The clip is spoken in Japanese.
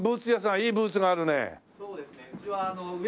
いいブーツがあるねえ。